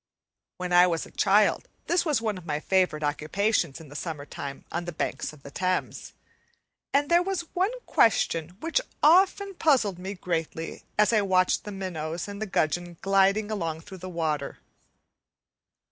When I was a child this was one of my favourite occupations in the summertime on the banks of the Thames, and there was one question which often puzzled me greatly, as I watched the minnows and gudgeon gliding along through the water.